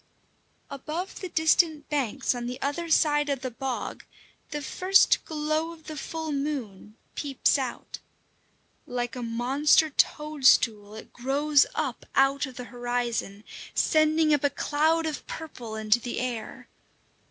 Above the distant banks on the other side of the bog, the first glow of the full moon peeps out. Like a monster toadstool, it grows up out of the horizon, sending up a cloud of purple into the air.